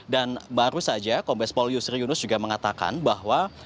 dan baru saja kombespol yusri yunus juga mengatakan bahwa